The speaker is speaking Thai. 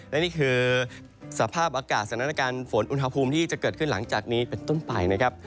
และนี่คือสภาพอากาศสถานการณ์ฝนอุณหภูมิที่จะเกิดขึ้นหลังจากนี้เป็นต้นไปนะครับ